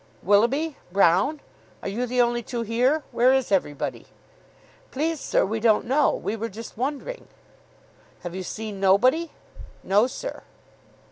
"Willoughby. Brown. Are you the only two here? Where is everybody?" "Please, sir, we don't know. We were just wondering." "Have you seen nobody?" "No, sir."